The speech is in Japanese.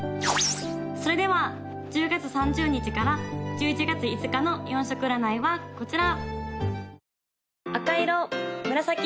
・それでは１０月３０日から１１月５日の４色占いはこちら！